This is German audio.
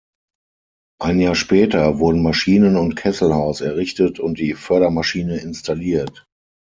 Ein Jahr später wurden Maschinen- und Kesselhaus errichtet und die Fördermaschine installiert.